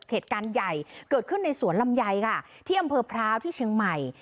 เหตุการณ์ใหญ่เกิดขึ้นในสวนลำไยค่ะที่อำเภอพร้าวที่เชียงใหม่